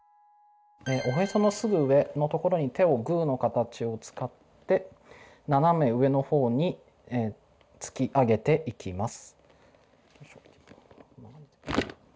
おへそのすぐ上のところに手をグーの形を使って斜め上のほうに突き上げていきます。